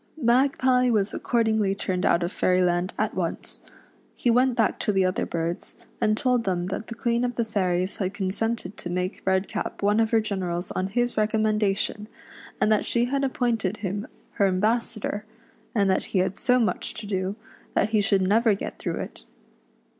Magpie was accordingly turned out of Fairyland at once. He went back to the other birds, and told them that the Queen of the Fairies had consented to make Redcap one of her generals on his recommendation, and that she had appointed him her ambassador, and that he had so much to do, that he should never get through it.